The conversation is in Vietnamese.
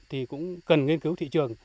thì cũng cần nghiên cứu thị trường